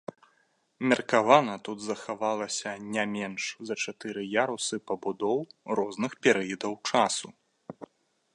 Меркавана тут захавалася не менш за чатыры ярусы пабудоў розных перыядаў часу.